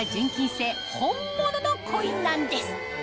製本物のコインなんです